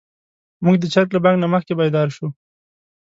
موږ د چرګ له بانګ نه مخکې بيدار شوو.